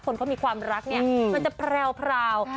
คนเขามีความรักเนี่ยมันจะแพรว